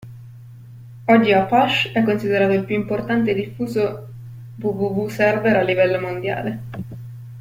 Oggi Apache è considerato il più importante e diffuso "www server" a livello mondiale.